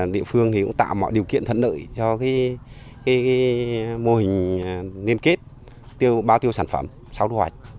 địa phương cũng tạo mọi điều kiện thuận lợi cho mô hình liên kết bao tiêu sản phẩm sau thu hoạch